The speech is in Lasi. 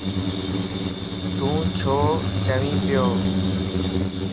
تو ڇو چوين پيو.